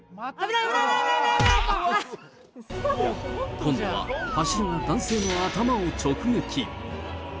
今度は柱が男性の頭を直撃。